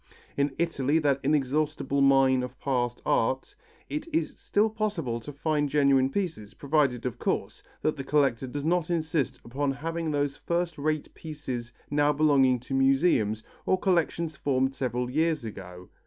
In Italy, that inexhaustible mine of past art, it is still possible to find genuine pieces, provided, of course, that the collector does not insist upon having those first rate pieces now belonging to museums or collections formed several years ago.